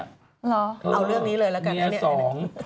เอาเลือกนี้เลยแล้วกัน